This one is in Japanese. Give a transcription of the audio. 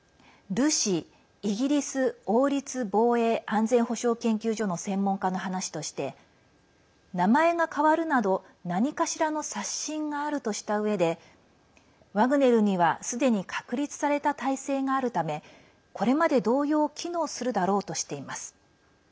ＲＵＳＩ＝イギリス王立防衛安全保障研究所の専門家の話として名前が変わるなど、何かしらの刷新があるとしたうえでワグネルには、すでに確立された体制があるためこれまで同様機能するだろうとしています。